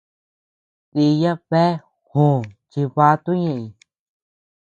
Diya bea jòò chivato ñeʼëñ.